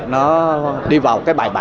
nó đi vào cái bài bản